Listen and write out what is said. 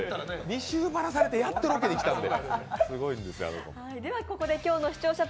２週、バラされて、やっとロケに来たので。